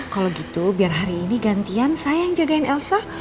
kalau gitu biar hari ini gantian saya yang jagain elsa